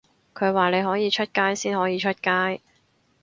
佢話你可以出街先可以出街